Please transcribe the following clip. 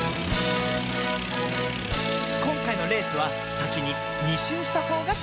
こんかいのレースはさきに２しゅうしたほうがかち。